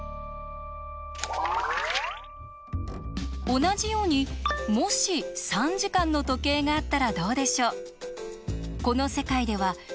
同じようにもし３時間の時計があったらどうでしょう？